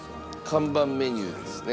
看板メニューですね。